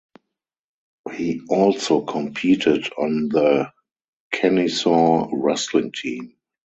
He also competed on the Kennesaw wrestling team.